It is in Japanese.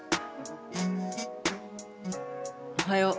おはよう。